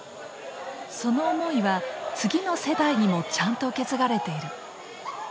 その思いは次の世代にもちゃんと受け継がれている。